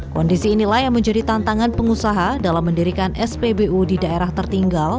kondisi inilah yang menjadi tantangan pengusaha dalam mendirikan spbu di daerah tertinggal